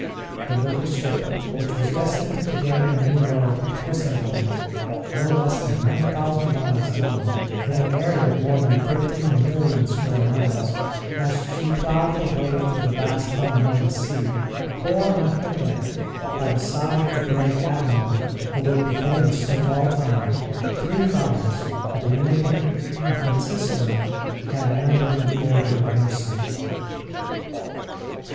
The little ship which was destined to gain a new world to Christendom no less than 9,000 miles long, with an area of more than 13,000,000 square miles, as she ploughed her way through the vast unknown sea, bore on her deck, by the side of the brave Admiral who will be famous to all time, three friars a Dominican, a Franciscan, and a member of the Order of Mercy.